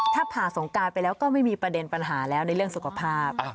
ถ้าผ่าสงการไปแล้วก็ไม่มีประเด็นปัญหาแล้วในเรื่องสุขภาพ